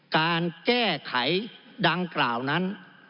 การแก้ไขดังกล่าวนั้น